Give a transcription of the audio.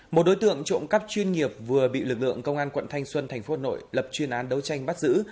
một đối tượng trộm cắp chuyên nghiệp vừa bị lực lượng công an quận thanh xuân thành phố hà nội lập chuyên án đấu tranh bắt giữ